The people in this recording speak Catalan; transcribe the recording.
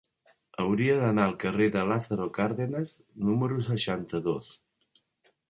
Hauria d'anar al carrer de Lázaro Cárdenas número seixanta-dos.